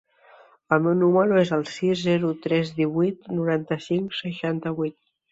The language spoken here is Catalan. El meu número es el sis, zero, tres, divuit, noranta-cinc, seixanta-vuit.